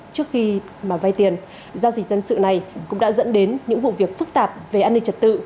trước khi mà vay tiền giao dịch dân sự này cũng đã dẫn đến những vụ việc phức tạp về an ninh trật tự